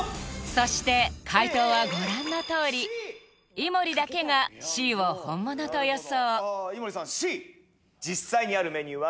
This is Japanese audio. そして解答はご覧のとおり井森だけがＣを本物と予想